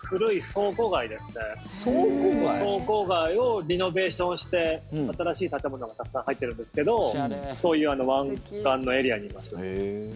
倉庫街をリノベーションして新しい建物がたくさん入っているんですけどそういう湾岸のエリアにいます。